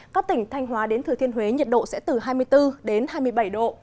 các tỉnh thanh hóa đến thừa thiên huế nhiệt độ sẽ từ hai mươi bốn đến hai mươi bảy độ